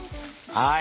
はい。